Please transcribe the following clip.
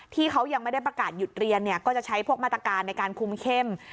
ที่เขายังไม่ได้ประกาศหยุดเรียนก็จะใช้พวกมาตรการในการคุมเข้ม